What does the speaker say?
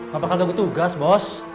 gapakah gak gue tugas bos